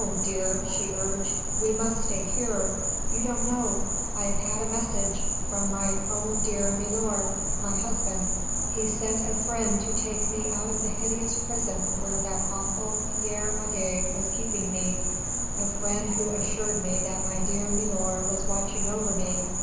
dear," she urged. "We must stay here.... You don't know.... I have had a message from my own dear milor my husband ... he sent a friend to take me out of the hideous prison where that awful Pierre Adet was keeping me a friend who assured me that my dear milor was watching over me